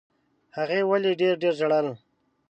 هغې ولي ډېر ډېر ژړل؟